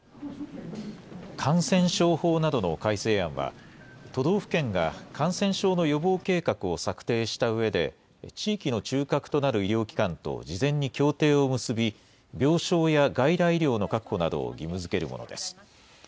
感染症法などの改正案は、都道府県が感染症の予防計画を策定したうえで、地域の中核となる医療機関と事前に協定を結び、病床や外来医療の確保などを義務づけるものです。